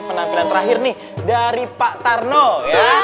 penampilan terakhir nih dari pak tarno ya